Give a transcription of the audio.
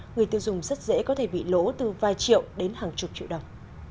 người tiêu dùng rất dễ có thể bị lỗ từ vài triệu đến hàng chục triệu đồng